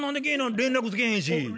連絡つけへんし。